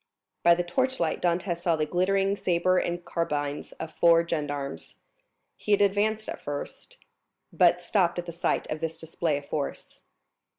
By the torchlight Dantès saw the glittering sabres and carbines of four gendarmes. He had advanced at first, but stopped at the sight of this display of force.